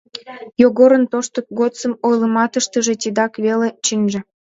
Йогорын тошто годсым ойлымаштыже тидак веле чынже.